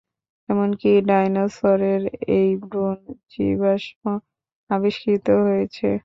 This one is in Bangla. এমনকি ডাইনোসরের ও ভ্রূণ জীবাশ্ম আবিষ্কৃত হয়েছে।